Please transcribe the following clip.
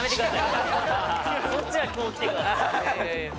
そっちはこうきてください